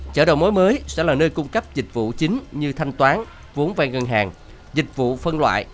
chợ đầu mối mới sẽ là nơi cung cấp dịch vụ chính như thanh toán vốn vay ngân hàng dịch vụ phân loại